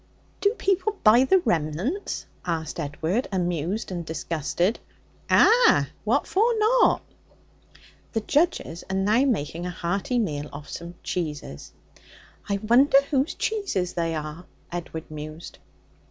'Do people buy the remnants?' asked Edward, amused and disgusted. 'Ah! What for not?' The judges are now making a hearty meal off some cheeses. 'I wonder whose cheeses they are?' Edward mused.